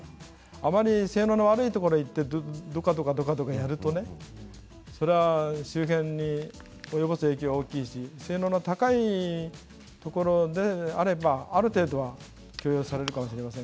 あまり性能の悪いところに行ってどかどかやると周辺に及ぼす影響は大きいし性能の高いところであればある程度は許容されるかもしれません。